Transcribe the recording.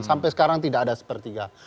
sampai sekarang tidak ada sepertiga